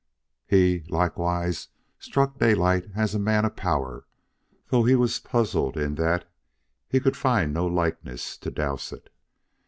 He, likewise, struck Daylight as a man of power, though he was puzzled in that he could find no likeness to Dowsett.